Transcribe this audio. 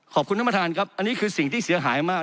ขอบคุณท่านประธานครับอันนี้คือสิ่งที่เสียหายมาก